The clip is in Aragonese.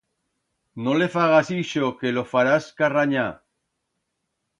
No le fagas ixo, que lo farás carranyar.